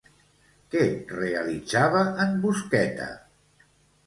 Què realitzava en Busqueta?